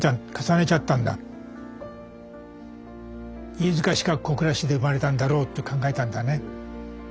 飯塚市か小倉市で生まれたんだろうと考えたんだね。